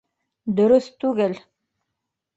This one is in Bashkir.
- Дөрөҫ түгел!